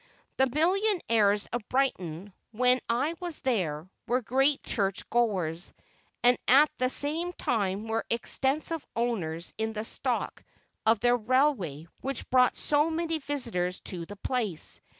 The millionnaires of Brighton, when I was there, were great church goers, and at the same time were extensive owners in the stock of the railway which brought so many visitors to the place.